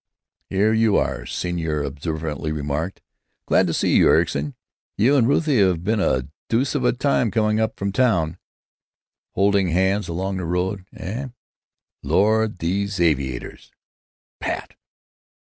"Here you are!" Senior observantly remarked. "Glad to see you, Ericson. You and Ruthie been a deuce of a time coming up from town. Holding hands along the road, eh? Lord! these aviators!" "Pat!"